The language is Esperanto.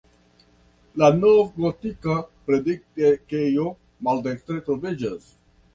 La novgotika predikejo maldekstre troviĝas.